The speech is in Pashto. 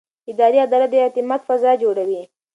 اداري عدالت د اعتماد فضا جوړوي.